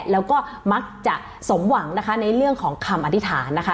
แล้วก็มักจะสมหวังนะคะในเรื่องของคำอธิษฐานนะคะ